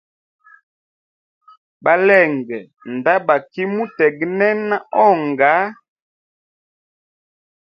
Balenge ndabaki mutegnena onga.